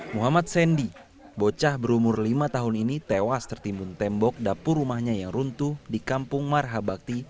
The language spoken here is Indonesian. muhammad sandy bocah berumur lima tahun ini tewas tertimbun tembok dapur rumahnya yang runtuh di kampung marhabakti